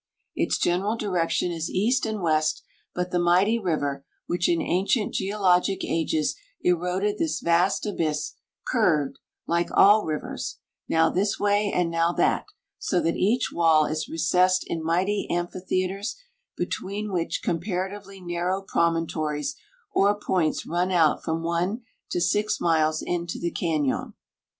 Its general direction is east and west, but the mighty river, which in ancient geologic ages eroded this vast abyss, curved, like all rivers, now this way and now that, so that each wall is recessed in mighty amphitheaters, between which comparatively narrow promontories or points run out from one to six miles into the cañon.